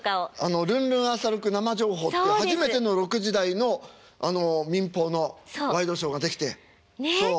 「ルンルンあさ６生情報」って初めての６時台の民放のワイドショーが出来てそう。